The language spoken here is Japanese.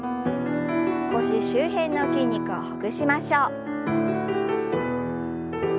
腰周辺の筋肉をほぐしましょう。